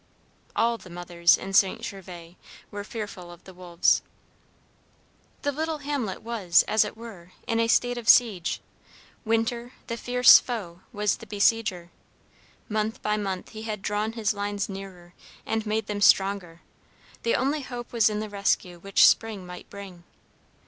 All the mothers in St. Gervas were fearful of the wolves. The little hamlet was, as it were, in a state of siege. Winter, the fierce foe, was the besieger. Month by month he had drawn his lines nearer, and made them stronger; the only hope was in the rescue which spring might bring.